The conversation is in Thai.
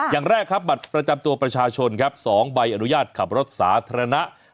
อย่างแรกครับบัตรประจำตัวประชาชนครับ๒ใบอนุญาตขับรถสาธารณะ